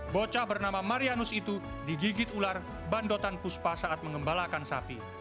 bocah bernama marianus itu digigit ular bandotan puspa saat mengembalakan sapi